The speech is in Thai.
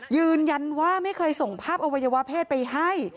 ยืนยันว่าไม่เคยส่งภาพอวัยวะเพศไปให้